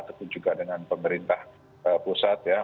tapi juga dengan pemerintah pusat ya